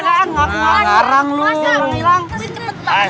nah sekarang lu mau bilang